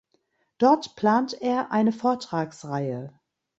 Dort plant er eine Vortragsreihe.